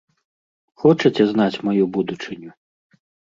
Хочаце знаць маю будучыню?